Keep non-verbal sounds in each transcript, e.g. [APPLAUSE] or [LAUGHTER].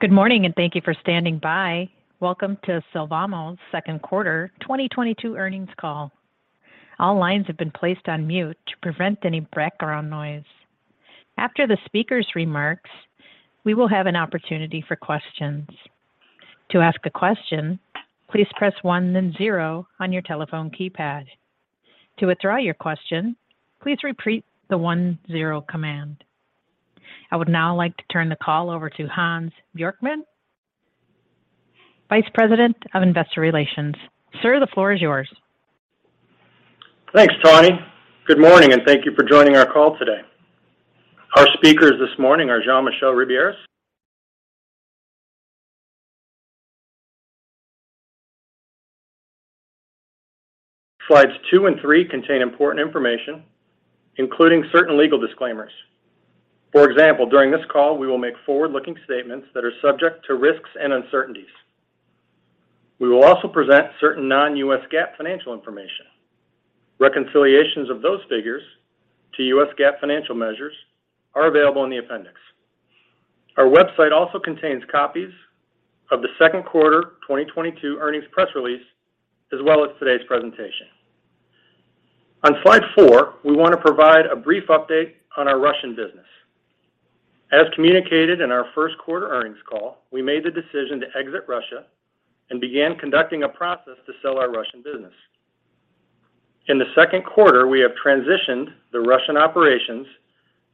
Good morning, and thank you for standing by. Welcome to Sylvamo's second quarter 2022 earnings call. All lines have been placed on mute to prevent any background noise. After the speaker's remarks, we will have an opportunity for questions. To ask a question, please press one then zero on your telephone keypad. To withdraw your question, please repeat the one zero command. I would now like to turn the call over to Hans Bjorkman, Vice President of Investor Relations. Sir, the floor is yours. Thanks, Tawny. Good morning, and thank you for joining our call today. Our speakers this morning are Jean-Michel Ribiéras. Slides two and three contain important information, including certain legal disclaimers. For example, during this call, we will make forward-looking statements that are subject to risks and uncertainties. We will also present certain non-U.S. GAAP financial information. Reconciliations of those figures to U.S. GAAP financial measures are available in the appendix. Our website also contains copies of the second quarter 2022 earnings press release, as well as today's presentation. On slide four, we wanna provide a brief update on our Russian business. As communicated in our first quarter earnings call, we made the decision to exit Russia and began conducting a process to sell our Russian business. In the second quarter, we have transitioned the Russian operations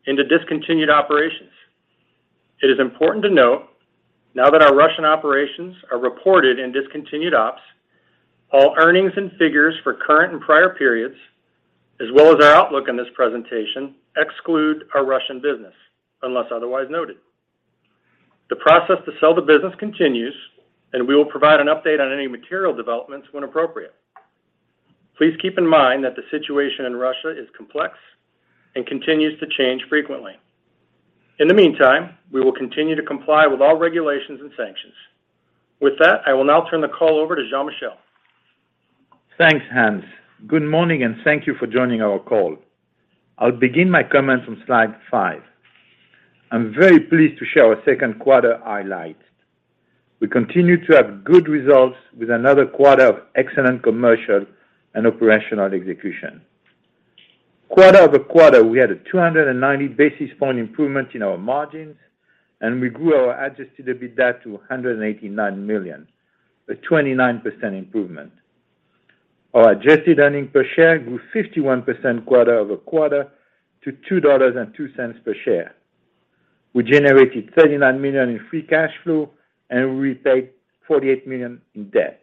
into discontinued operations. It is important to note now that our Russian operations are reported in discontinued ops, all earnings and figures for current and prior periods, as well as our outlook in this presentation, exclude our Russian business unless otherwise noted. The process to sell the business continues, and we will provide an update on any material developments when appropriate. Please keep in mind that the situation in Russia is complex and continues to change frequently. In the meantime, we will continue to comply with all regulations and sanctions. With that, I will now turn the call over to Jean-Michel. Thanks, Hans. Good morning, and thank you for joining our call. I'll begin my comments on slide five. I'm very pleased to share our second quarter highlights. We continue to have good results with another quarter of excellent commercial and operational execution. Quarter-over-quarter, we had a 290 basis point improvement in our margins, and we grew our adjusted EBITDA to $189 million, a 29% improvement. Our adjusted earnings per share grew 51% quarter-over-quarter to $2.02 per share. We generated $39 million in free cash flow, and we repaid $48 million in debt.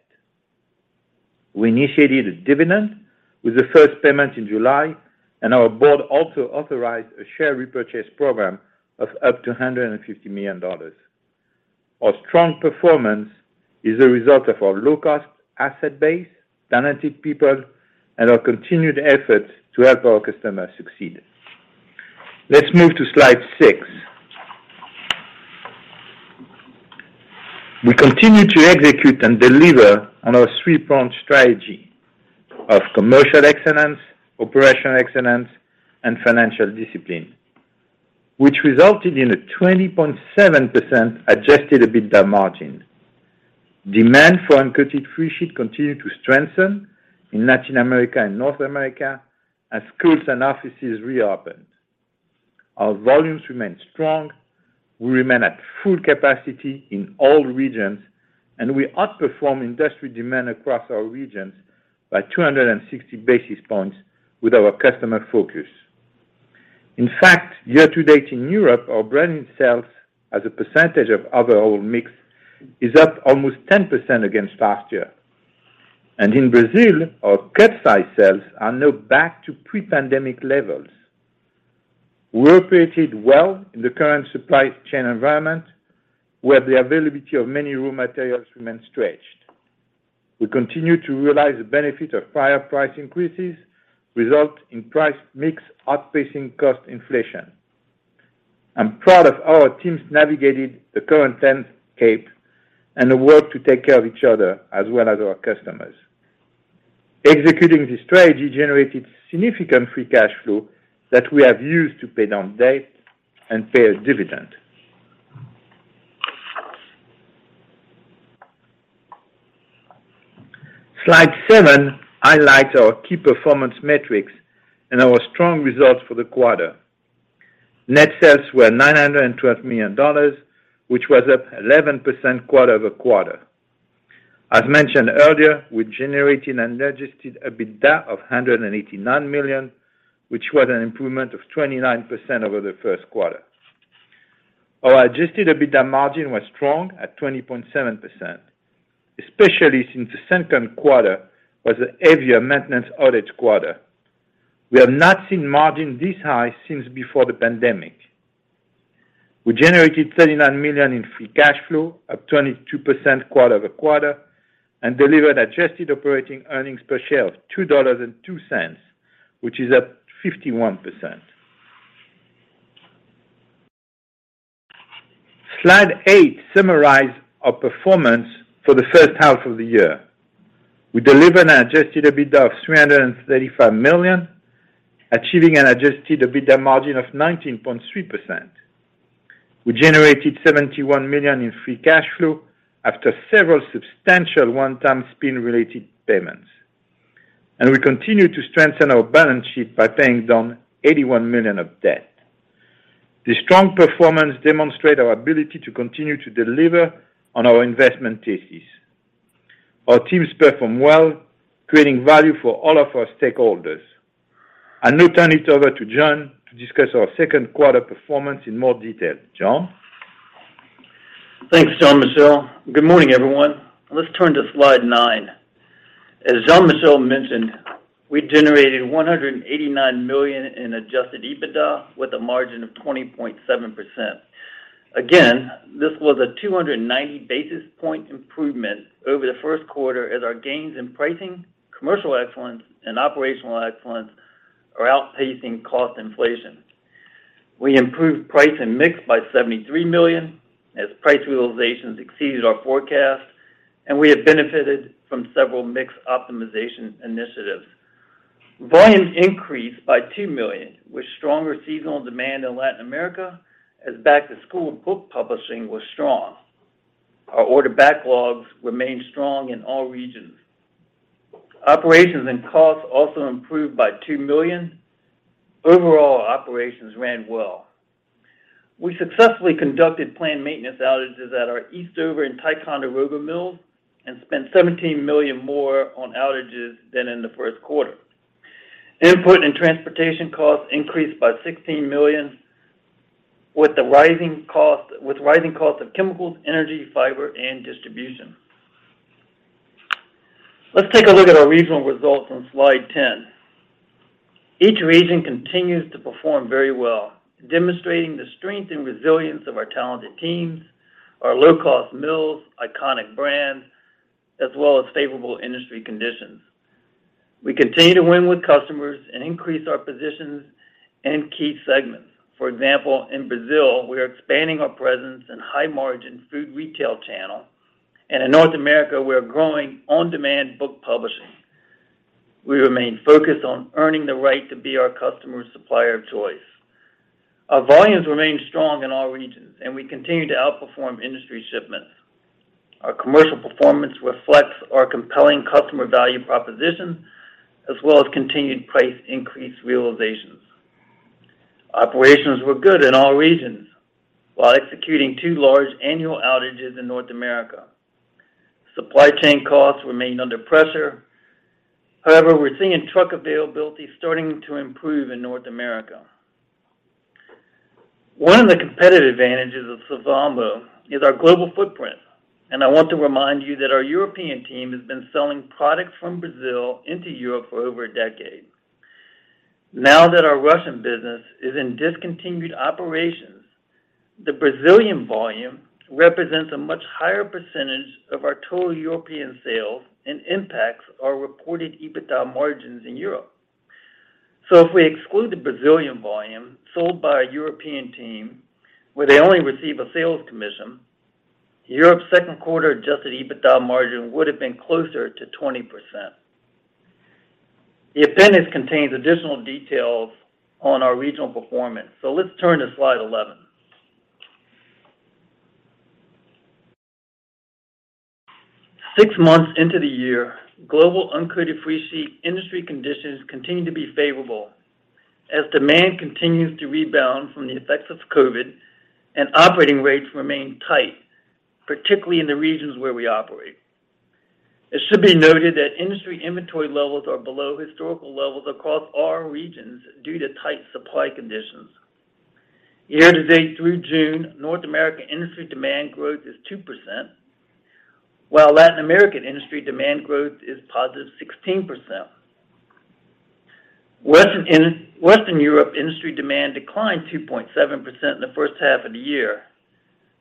We initiated a dividend with the first payment in July, and our board also authorized a share repurchase program of up to $150 million. Our strong performance is a result of our low-cost asset base, talented people, and our continued effort to help our customers succeed. Let's move to slide six. We continue to execute and deliver on our three-pronged strategy of commercial excellence, operational excellence, and financial discipline, which resulted in a 20.7% Adjusted EBITDA margin. Demand for uncoated freesheet continued to strengthen in Latin America and North America as schools and offices reopened. Our volumes remain strong. We remain at full capacity in all regions, and we outperform industry demand across our regions by 260 basis points with our customer focus. In fact, year-to-date in Europe, our branded sales as a percentage of overall mix is up almost 10% against last year. In Brazil, our cut-size sales are now back to pre-pandemic levels. We operated well in the current supply chain environment, where the availability of many raw materials remained stretched. We continue to realize the benefit of prior price increases, resulting in price mix outpacing cost inflation. I'm proud of how our teams navigated the current landscape and the work to take care of each other as well as our customers. Executing this strategy generated significant free cash flow that we have used to pay down debt and pay a dividend. Slide seven highlights our key performance metrics and our strong results for the quarter. Net sales were $912 million, which was up 11% quarter-over-quarter. As mentioned earlier, we generated an adjusted EBITDA of $189 million, which was an improvement of 29% over the first quarter. Our adjusted EBITDA margin was strong at 20.7%, especially since the second quarter was a heavier maintenance outage quarter. We have not seen margin this high since before the pandemic. We generated $39 million in free cash flow, up 22% quarter-over-quarter, and delivered adjusted operating earnings per share of $2.02, which is up 51%. Slide eight summarize our performance for the first half of the year. We delivered an adjusted EBITDA of $335 million, achieving an adjusted EBITDA margin of 19.3%. We generated $71 million in free cash flow after several substantial one-time spin-related payments, and we continue to strengthen our balance sheet by paying down $81 million of debt. This strong performance demonstrate our ability to continue to deliver on our investment thesis. Our teams perform well, creating value for all of our stakeholders. I now turn it over to John to discuss our second quarter performance in more detail. John? Thanks, Jean-Michel. Good morning, everyone. Let's turn to slide nine. As Jean-Michel mentioned, we generated $189 million in Adjusted EBITDA with a margin of 20.7%. This was a 290 basis point improvement over the first quarter as our gains in pricing, commercial excellence, and operational excellence are outpacing cost inflation. We improved price and mix by $73 million as price realizations exceeded our forecast, and we have benefited from several mix optimization initiatives. Volumes increased by two million, with stronger seasonal demand in Latin America as back-to-school book publishing was strong. Our order backlogs remained strong in all regions. Operations and costs also improved by $2 million. Overall, operations ran well. We successfully conducted planned maintenance outages at our Eastover and Ticonderoga mills and spent $17 million more on outages than in the first quarter. Input and transportation costs increased by $16 million with rising costs of chemicals, energy, fiber, and distribution. Let's take a look at our regional results on slide 10. Each region continues to perform very well, demonstrating the strength and resilience of our talented teams, our low-cost mills, iconic brands, as well as favorable industry conditions. We continue to win with customers and increase our positions in key segments. For example, in Brazil, we are expanding our presence in high-margin food retail channel, and in North America, we are growing on-demand book publishing. We remain focused on earning the right to be customers' supplier of choice. Our volumes remain strong in all regions, and we continue to outperform industry shipments. Our commercial performance reflects our compelling customer value proposition as well as continued price increase realizations. Operations were good in all regions while executing two large annual outages in North America. Supply chain costs remained under pressure. However, we're seeing truck availability starting to improve in North America. One of the competitive advantages of Sylvamo is our global footprint, and I want to remind you that our European team has been selling products from Brazil into Europe for over a decade. Now that our Russian business is in discontinued operations, the Brazilian volume represents a much higher percentage of our total European sales and impacts our reported EBITDA margins in Europe. If we exclude the Brazilian volume sold by our European team, where they only receive a sales commission, Europe's second quarter Adjusted EBITDA margin would have been closer to 20%. The appendix contains additional details on our regional performance. Let's turn to slide 11. Six months into the year, global uncoated freesheet industry conditions continue to be favorable as demand continues to rebound from the effects of COVID and operating rates remain tight, particularly in the regions where we operate. It should be noted that industry inventory levels are below historical levels across all regions due to tight supply conditions. Year-to-date through June, North American industry demand growth is 2%, while Latin American industry demand growth is positive 16%. Western Europe industry demand declined 2.7% in the first half of the year,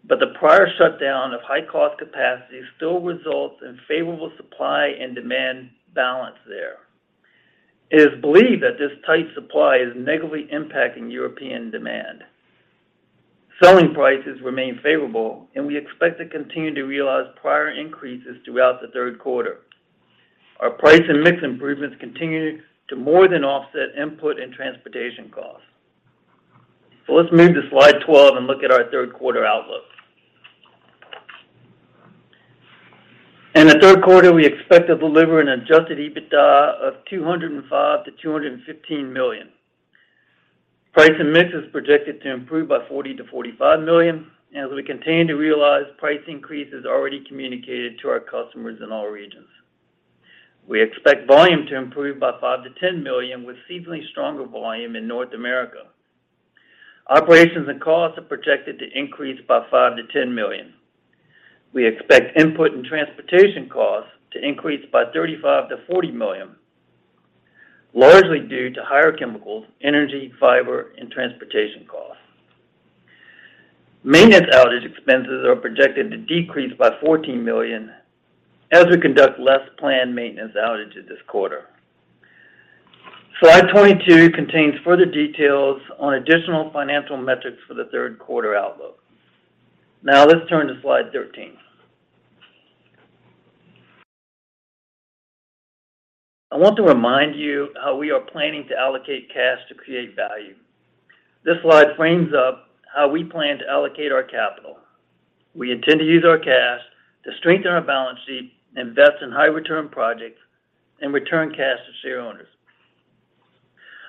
but the prior shutdown of high-cost capacity still results in favorable supply and demand balance there. It is believed that this tight supply is negatively impacting European demand. Selling prices remain favorable, and we expect to continue to realize prior increases throughout the third quarter. Our price and mix improvements continue to more than offset input and transportation costs. Let's move to slide 12 and look at our third quarter outlook. In the third quarter, we expect to deliver an Adjusted EBITDA of $205 million-$215 million. Price and mix is projected to improve by $40 million-$45 million as we continue to realize price increases already communicated to our customers in all regions. We expect volume to improve by $5 million-$10 million with seasonally stronger volume in North America. Operations and costs are projected to increase by $5 million-$10 million. We expect input and transportation costs to increase by $35 million-$40 million, largely due to higher chemicals, energy, fiber, and transportation costs. Maintenance outage expenses are projected to decrease by $14 million as we conduct less planned maintenance outages this quarter. Slide 22 contains further details on additional financial metrics for the third quarter outlook. Now let's turn to slide 13. I want to remind you how we are planning to allocate cash to create value. This slide frames up how we plan to allocate our capital. We intend to use our cash to strengthen our balance sheet, invest in high return projects, and return cash to shareowners.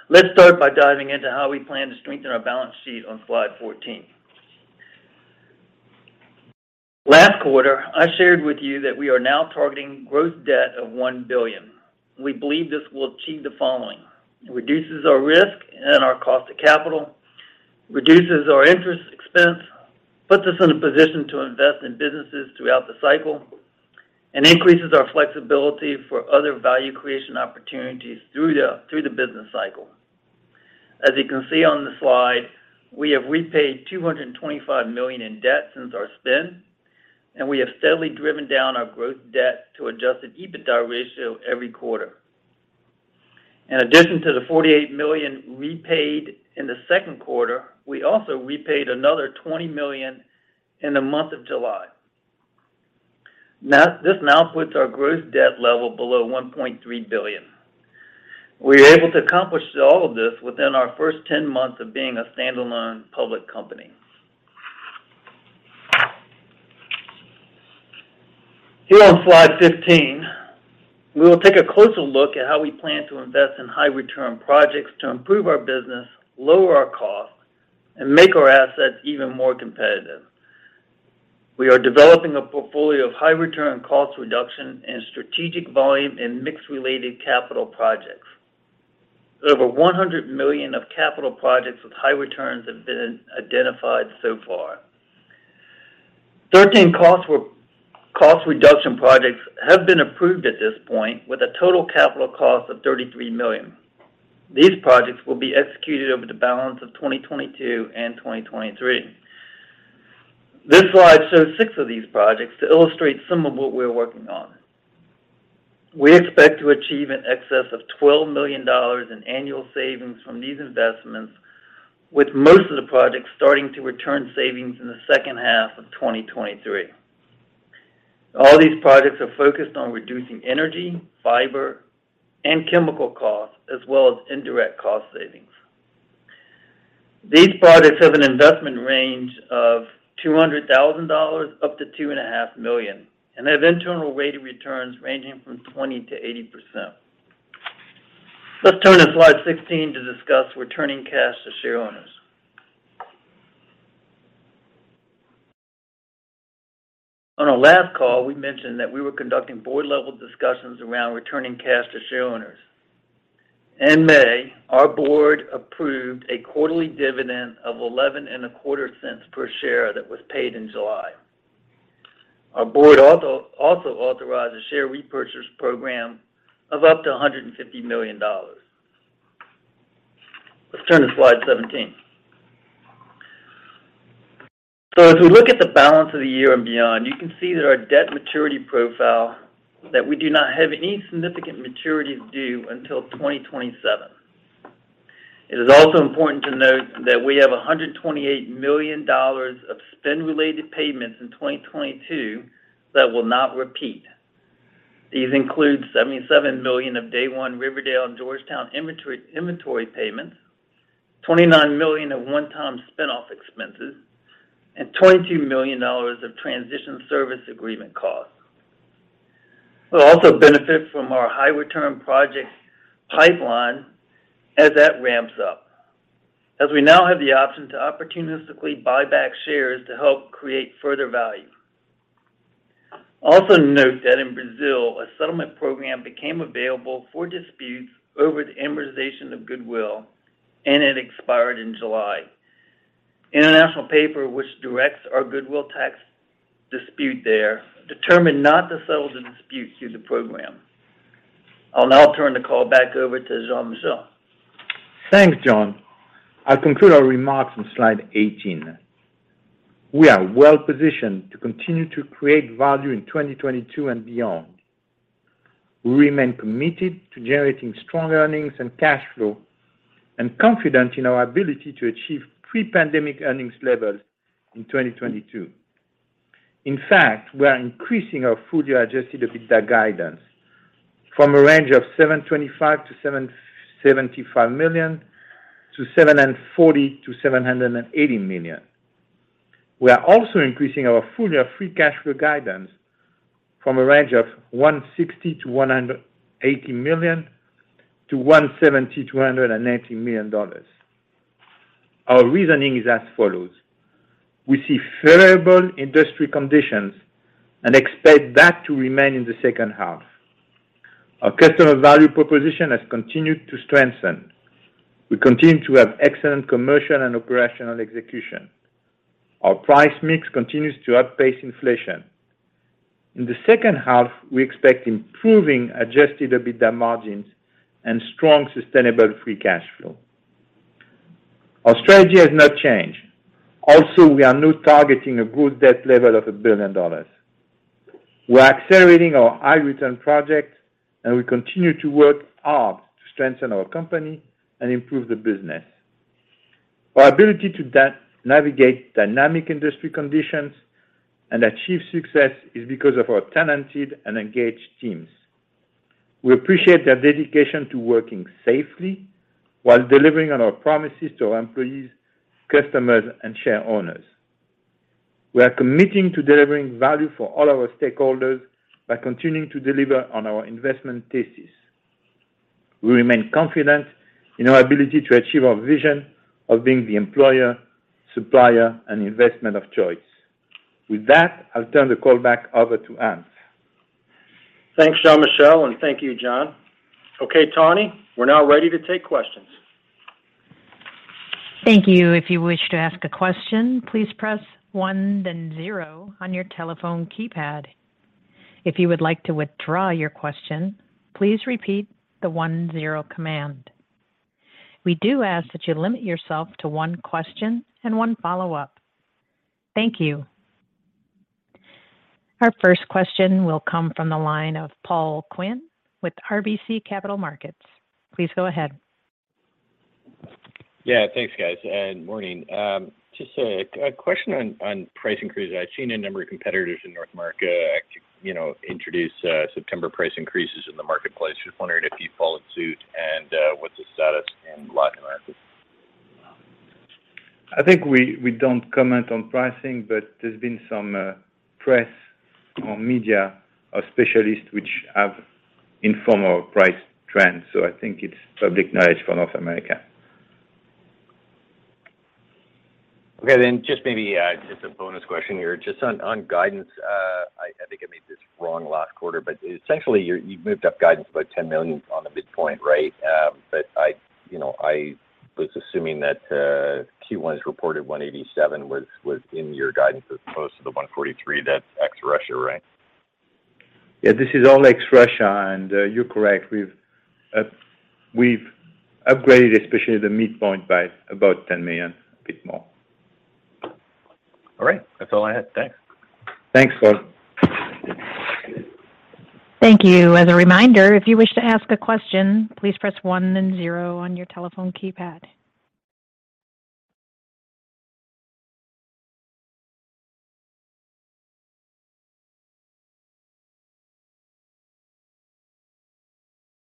Let's start by diving into how we plan to strengthen our balance sheet on slide 14. Last quarter, I shared with you that we are now targeting gross debt of $1 billion. We believe this will achieve the following: It reduces our risk and our cost of capital, reduces our interest expense, puts us in a position to invest in businesses throughout the cycle, and increases our flexibility for other value creation opportunities through the business cycle. As you can see on the slide, we have repaid $225 million in debt since our spin, and we have steadily driven down our gross debt to adjusted EBITDA ratio every quarter. In addition to the $48 million repaid in the second quarter, we also repaid another $20 million in the month of July. Now this puts our gross debt level below $1.3 billion. We were able to accomplish all of this within our first 10 months of being a standalone public company. Here on slide 15, we will take a closer look at how we plan to invest in high return projects to improve our business, lower our costs, and make our assets even more competitive. We are developing a portfolio of high return cost reduction and strategic volume and mix-related capital projects. Over $100 million of capital projects with high returns have been identified so far. 13 cost reduction projects have been approved at this point with a total capital cost of $33 million. These projects will be executed over the balance of 2022 and 2023. This slide shows six of these projects to illustrate some of what we're working on. We expect to achieve in excess of $12 million in annual savings from these investments, with most of the projects starting to return savings in the second half of 2023. All these projects are focused on reducing energy, fiber, and chemical costs, as well as indirect cost savings. These projects have an investment range of $200,000-$2.5 million, and have internal rates of return ranging from 20%-80%. Let's turn to slide 16 to discuss returning cash to shareowners. On our last call, we mentioned that we were conducting board-level discussions around returning cash to shareowners. In May, our board approved a quarterly dividend of 11 and a quarter cents per share that was paid in July. Our board also authorized a share repurchase program of up to $150 million. Let's turn to slide 17. As we look at the balance of the year and beyond, you can see that our debt maturity profile that we do not have any significant maturities due until 2027. It is also important to note that we have $128 million of spend-related payments in 2022 that will not repeat. These include $77 million of day one Riverdale and Georgetown inventory payments, $29 million of one-time spinoff expenses, and $22 million of Transition Service Agreement costs. We'll also benefit from our high return project pipeline as that ramps up, as we now have the option to opportunistically buy back shares to help create further value. Also note that in Brazil, a settlement program became available for disputes over the amortization of goodwill, and it expired in July. International Paper, which directs our goodwill tax dispute there, determined not to settle the dispute through the program. I'll now turn the call back over to Jean-Michel Ribiéras. Thanks, John. I'll conclude our remarks on slide 18. We are well-positioned to continue to create value in 2022 and beyond. We remain committed to generating strong earnings and cash flow and confident in our ability to achieve pre-pandemic earnings levels in 2022. In fact, we are increasing our fully adjusted EBITDA guidance from a range of $725-$775 million to $740-$780 million. We are also increasing our full-year free cash flow guidance from a range of $160-$180 million to $170-$180 million. Our reasoning is as follows. We see favorable industry conditions and expect that to remain in the second half. Our customer value proposition has continued to strengthen. We continue to have excellent commercial and operational execution. Our price mix continues to outpace inflation. In the second half, we expect improving adjusted EBITDA margins and strong, sustainable free cash flow. Our strategy has not changed. Also, we are now targeting a good debt level of $1 billion. We are accelerating our high return projects, and we continue to work hard to strengthen our company and improve the business. Our ability to navigate dynamic industry conditions and achieve success is because of our talented and engaged teams. We appreciate their dedication to working safely while delivering on our promises to our employees, customers, and share owners. We are committing to delivering value for all our stakeholders by continuing to deliver on our investment thesis. We remain confident in our ability to achieve our vision of being the employer, supplier, and investment of choice. With that, I'll turn the call back over to Hans. Thanks, Jean-Michel, and thank you, John. Okay, Tawny, we're now ready to take questions. Thank you. If you wish to ask a question, please press one then zero on your telephone keypad. If you would like to withdraw your question, please repeat the one zero command. We do ask that you limit yourself to one question and one follow-up. Thank you. Our first question will come from the line of Paul Quinn with RBC Capital Markets. Please go ahead. Yeah, thanks, guys, and morning. Just a question on price increases. I've seen a number of competitors in North America introduce September price increases in the marketplace. Just wondering if you followed suit, and what's the status in Latin America? I think we don't comment on pricing, but there's been some press or media or specialists which have informed our price trends, so I think it's public knowledge for North America. Okay, just maybe, just a bonus question here. Just on guidance, I think I made this wrong last quarter, but essentially you've moved up guidance about $10 million on the midpoint, right? But I was assuming that Q1's reported $187 million was in your guidance as opposed to the $143 million that's ex-Russia, right? Yeah, this is all ex Russia, and you're correct. We've upgraded, especially the midpoint by about $10 million, a bit more. All right. That's all I had. Thanks. Thanks, Paul. Thank you. As a reminder, if you wish to ask a question, please press one then zero on your telephone keypad.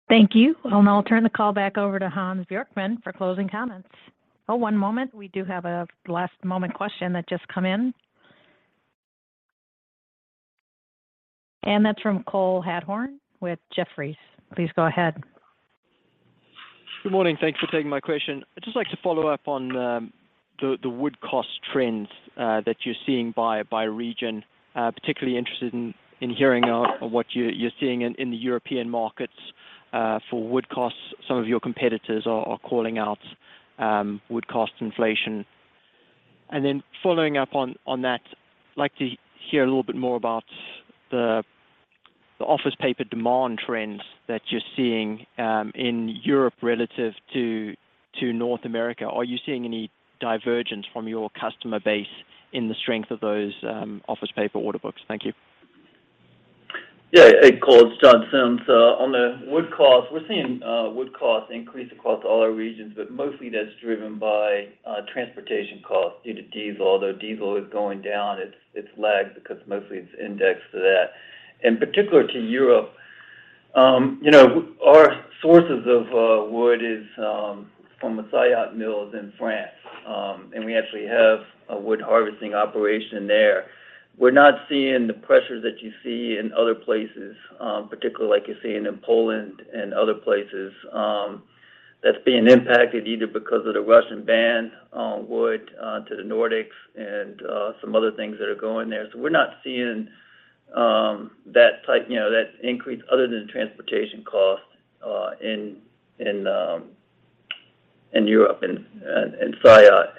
Thank you. I'll now turn the call back over to Hans Bjorkman for closing comments. Oh, one moment. We do have a last-minute question that just come in. That's from Cole Hathorn with Jefferies. Please go ahead. Good morning. Thanks for taking my question. I'd just like to follow up on the wood cost trends that you're seeing by region. Particularly interested in hearing what you're seeing in the European markets for wood costs. Some of your competitors are calling out wood cost inflation. Following up on that, like to hear a little bit more about the office paper demand trends that you're seeing in Europe relative to North America. Are you seeing any divergence from your customer base in the strength of those office paper order books? Thank you. Yeah, hey, Cole, it's John Sims. On the wood costs, we're seeing wood costs increase across all our regions, but mostly that's driven by transportation costs due to diesel. Although diesel is going down, it's lagged because mostly it's indexed to that. In particular to Europe our sources of wood is from the Saillat mills in France, and we actually have a wood harvesting operation there. We're not seeing the pressures that you see in other places, particularly like you're seeing in Poland and other places, that's being impacted either because of the Russian ban on wood to the Nordics and some other things that are going there. We're not seeing that type that increase other than transportation costs in Europe and Saillat.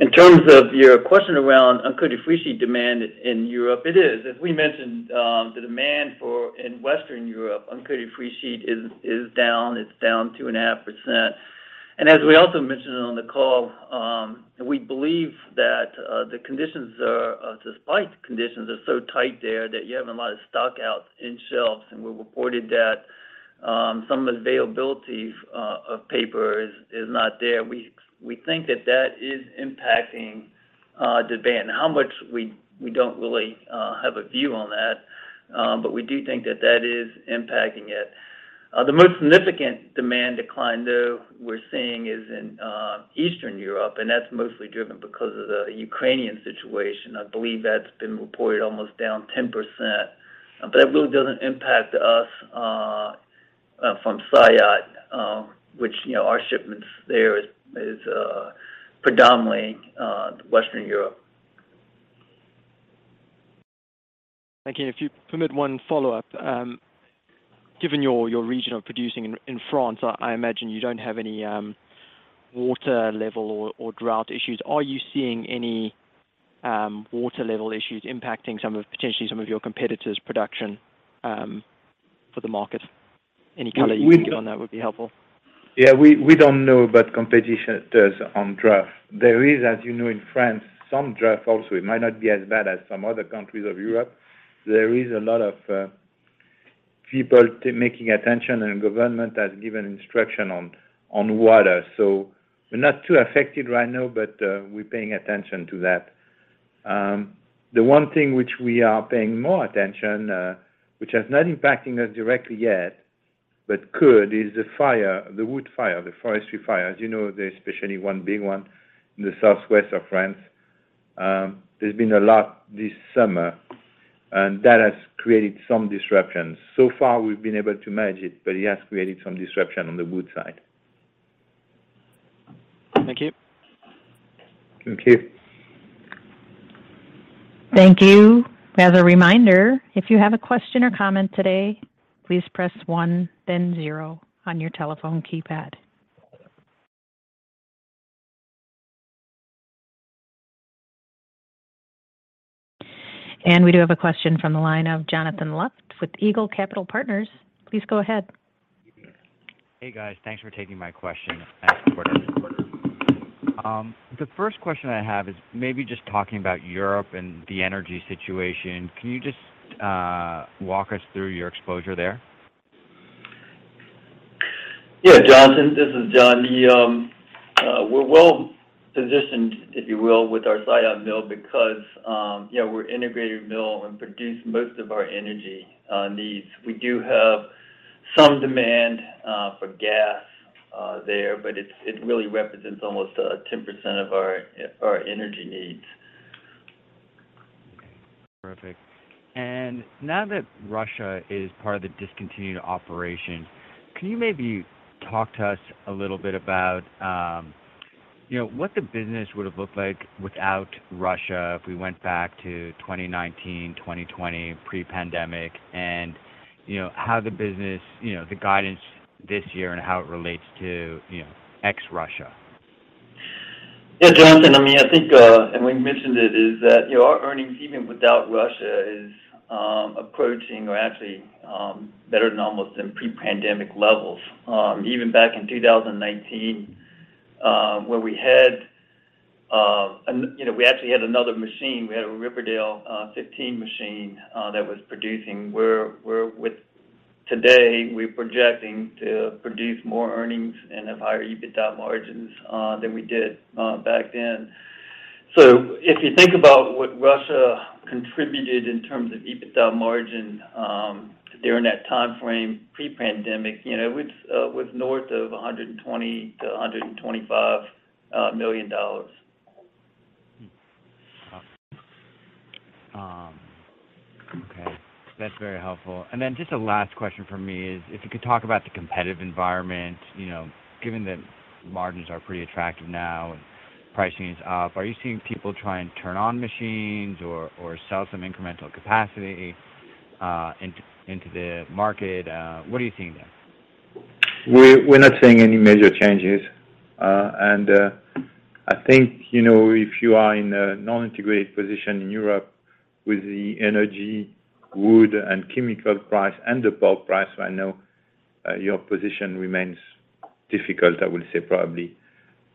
In terms of your question around uncoated freesheet demand in Europe, it is. As we mentioned, the demand for in Western Europe, uncoated freesheet is down. It's down 2.5%. As we also mentioned on the call, we believe that the conditions are so tight there that you're having a lot of stock out in shelves, and we reported that some availability of paper is not there. We think that that is impacting demand. How much, we don't really have a view on that, but we do think that that is impacting it. The most significant demand decline, though, we're seeing is in Eastern Europe, and that's mostly driven because of the Ukrainian situation. I believe that's been reported almost down 10%. That really doesn't impact us from Saillat, which our shipments there is predominantly Western Europe. Thank you. If you permit one follow-up, given your region of producing in France, I imagine you don't have any water level or drought issues. Are you seeing any water level issues impacting potentially some of your competitors' production for the market? Any color you can give on that would be helpful. Yeah, we don't know about competitors on drought. There is, as you know, in France, some drought also. It might not be as bad as some other countries of Europe. There is a lot of people paying attention, and government has given instruction on water. We're not too affected right now, but we're paying attention to that. The one thing which we are paying more attention, which has not impacting us directly yet, but could, is the fire, the wood fire, the forest fire. As you know, there's especially one big one in the southwest of France. There's been a lot this summer, and that has created some disruptions. We've been able to manage it, but it has created some disruption on the wood side. Thank you. Thank you. Thank you. As a reminder, if you have a question or comment today, please press one then zero on your telephone keypad. We do have a question from the line of Jonathan Luft with Eagle Capital Partners. Please go ahead. Hey, guys. Thanks for taking my question. [AUDIO DISTORTION] The first question I have is maybe just talking about Europe and the energy situation. Can you just walk us through your exposure there? Yeah, Jonathan, this is John. We're well-positioned, if you will, with our Saillat mill because we're integrated mill and produce most of our energy needs. We do have some demand for gas there, but it really represents almost 10% of our energy needs. Okay. Perfect. Now that Russia is part of the discontinued operations, can you maybe talk to us a little bit about what the business would have looked like without Russia if we went back to 2019, 2020 pre-pandemic and how the business, you know, the guidance this year and how it relates to, you know, ex-Russia? Yeah, Jonathan. I mean, I think, and we mentioned it is that, you know, our earnings, even without Russia, is approaching or actually better than almost in pre-pandemic levels. Even back in 2019, where we had we actually had another machine. We had a Riverdale fifteen machine that was producing where with today we're projecting to produce more earnings and have higher EBITDA margins than we did back then. If you think about what Russia contributed in terms of EBITDA margin during that timeframe pre-pandemic, you know, it was north of $120 million-$125 million. Okay. That's very helpful. Then just a last question from me is if you could talk about the competitive environment given that margins are pretty attractive now and pricing is up. Are you seeing people try and turn on machines or sell some incremental capacity into the market? What are you seeing there? We're not seeing any major changes. I think if you are in a non-integrated position in Europe with the energy, wood, and chemical price and the pulp price right now, your position remains difficult, I would say probably.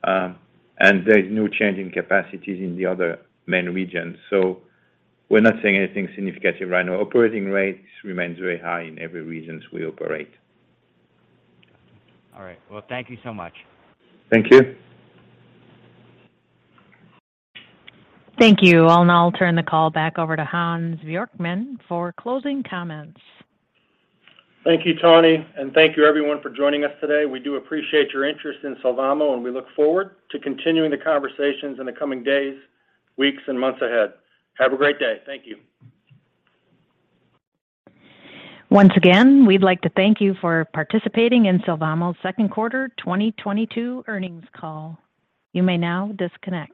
There is no change in capacities in the other main regions. We're not seeing anything significant right now. Operating rates remains very high in every regions we operate. All right. Well, thank you so much. Thank you. Thank you. I'll now turn the call back over to Hans Bjorkman for closing comments. Thank you, Tawny, and thank you everyone for joining us today. We do appreciate your interest in Sylvamo, and we look forward to continuing the conversations in the coming days, weeks, and months ahead. Have a great day. Thank you. Once again, we'd like to thank you for participating in Sylvamo's second quarter 2022 earnings call. You may now disconnect.